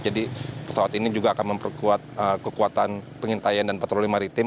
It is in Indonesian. jadi pesawat ini juga akan memperkuat kekuatan pengintaian dan patroli maritim